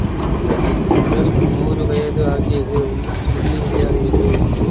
உடல் நூறு வயது ஆகியது உள்ளம் துள்ளி விளையாடியது.